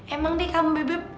emang deh kamu bebe